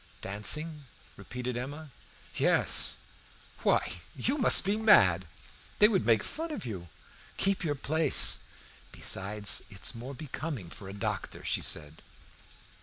"Dancing?" repeated Emma. "Yes!" "Why, you must be mad! They would make fun of you; keep your place. Besides, it is more becoming for a doctor," she added.